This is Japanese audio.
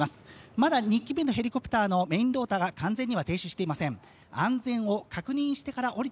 まだ２機目のヘリコプターのメインローターが完全には停止していません。